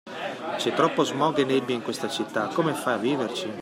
C'è troppo smog e nebbia in questa città, come fai a viverci?